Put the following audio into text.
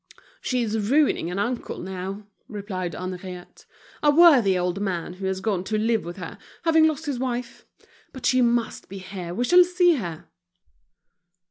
"She's ruining an uncle, now," replied Henriette, "a worthy old man who has gone to live with her, having lost his wife. But she must be here, we shall see her."